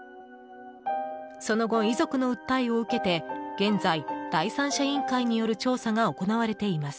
その後、遺族の訴えを受けて現在、第三者委員会による調査が行われています。